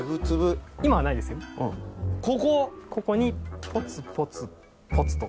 ここにポツポツポツと。